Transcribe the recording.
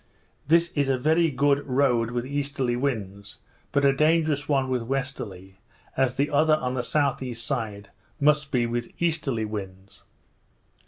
This is a very good road with easterly winds, but a dangerous one with westerly; as the other on the S.E. side must be with easterly winds.